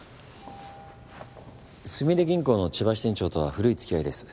すみれ銀行の千葉支店長とは古いつきあいです。